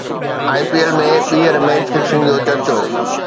آئي P L ۾ ٻيهر match fixing جو چرچو